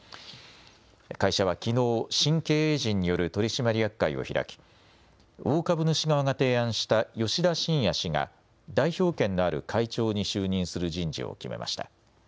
会社はきのう、新経営陣による取締役会を開き、大株主側が提案した吉田真也氏が代表権のある会長に就任する人事を決めました。